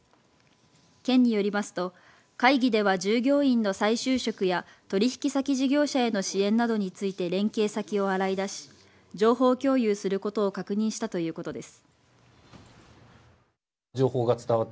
県によりますと会議では従業員の再就職や取引先事業者への支援などについて連携先を洗い出し情報共有することを確認したということです。